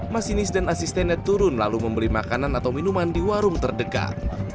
masinis dan asistennya turun lalu membeli makanan atau minuman di warung terdekat